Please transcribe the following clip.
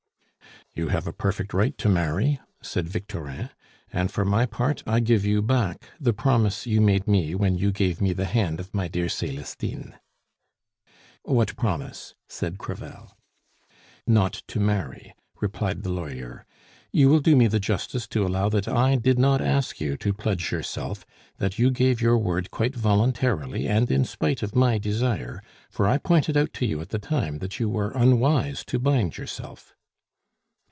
"You have a perfect right to marry," said Victorin. "And for my part, I give you back the promise you made me when you gave me the hand of my dear Celestine " "What promise?" said Crevel. "Not to marry," replied the lawyer. "You will do me the justice to allow that I did not ask you to pledge yourself, that you gave your word quite voluntarily and in spite of my desire, for I pointed out to you at the time that you were unwise to bind yourself."